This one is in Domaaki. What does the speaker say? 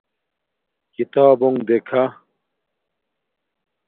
کتابونݣ دیکھہ